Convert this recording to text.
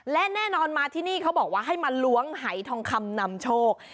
และแน่นอนมาที่นี่เขาบอกว่าให้มาล้วงหายทองคำนำโชค